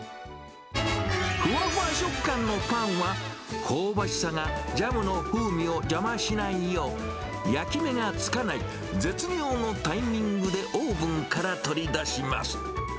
ふわふわ食感のパンは、香ばしさがジャムの風味を邪魔しないよう、焼き目がつかない絶妙のタイミングでオーブンから取り出します。